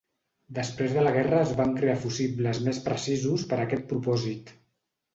Després de la guerra es van crear fusibles més precisos per a aquest propòsit.